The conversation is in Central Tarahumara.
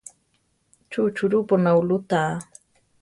¿Chu churúpo naulú tá?